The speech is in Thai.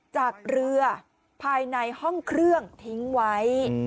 จากเรือภายในห้องเครื่องทิ้งไว้